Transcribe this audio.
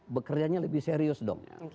bekerjanya lebih serius dong